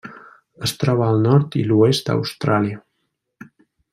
Es troba al nord i l'oest d'Austràlia.